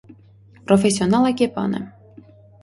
Պրոֆեսիոնալ այգեպան է։